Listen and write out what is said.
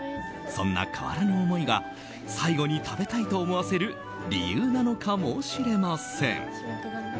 そんな変わらぬ思いが最後に食べたいと思わせる理由なのかもしれません。